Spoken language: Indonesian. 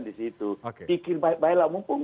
di situ pikir baik baik lah mumpung